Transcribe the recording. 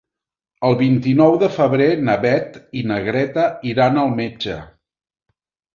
El vint-i-nou de febrer na Beth i na Greta iran al metge.